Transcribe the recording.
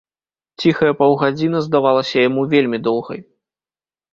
Ціхая паўгадзіна здавалася яму вельмі доўгай.